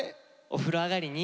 お風呂上がりに。